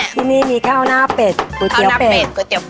ที่นี่มีข้าวหน้าเป็ดก๋วยเตี๋ยวเป็ด